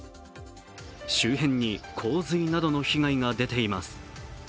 周辺に洪水などの被害が出ています。